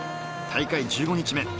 大会１５日目